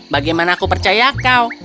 bagaimana aku percaya kau